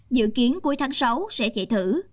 dự kiến cuối tháng sáu sẽ chạy thử